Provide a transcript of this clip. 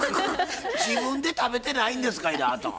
自分で食べてないんですかいなあなたは。